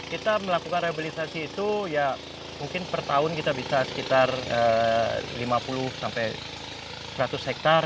kita melakukan rehabilitasi itu ya mungkin per tahun kita bisa sekitar lima puluh sampai seratus hektare